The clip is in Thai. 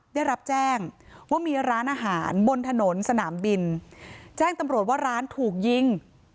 ได้รับแจ้งว่ามีร้านอาหารบนถนนสนามบินแจ้งตำรวจว่าร้านถูกยิง